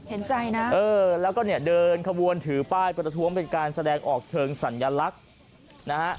เห็นใจนะเออแล้วก็เนี่ยเดินขบวนถือป้ายประท้วงเป็นการแสดงออกเชิงสัญลักษณ์นะฮะ